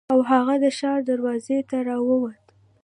او هغه د ښار دروازې ته راووت.